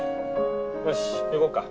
よし行こうか。